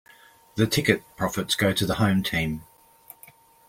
The ticket profits go to the home team.